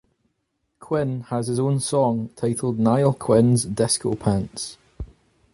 Quinn has his own song titled "Niall Quinn's Disco Pants".